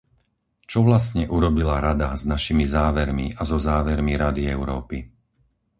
Čo vlastne urobila Rada s našimi závermi a so závermi Rady Európy?